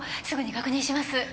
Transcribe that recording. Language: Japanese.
すぐに確認します。